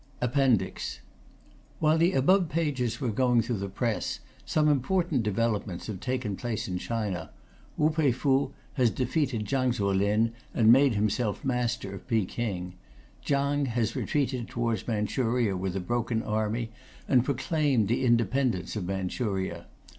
] APPENDIX While the above pages were going through the Press, some important developments have taken place in China. Wu Pei Fu has defeated Chang tso lin and made himself master of Peking. Chang has retreated towards Manchuria with a broken army, and proclaimed the independence of Manchuria.